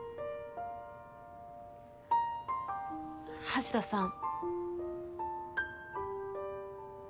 橋田さん。